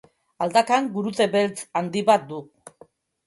Aldakan gurutze beltz handi bat du.